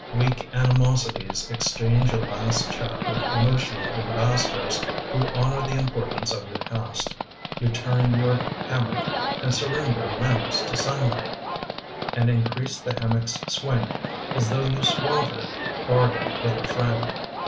Weak animosities exchange a last Chat with emotional ambassadors Who honor the importance of your past. You turn your hammock and surrender limbs To sunlight, and increase the hammock's swing As though you suavely bargained with a friend.